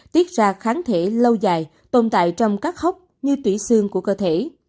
tiết ra kháng thể lâu dài tồn tại trong các hốc như tủy xương của cơ thể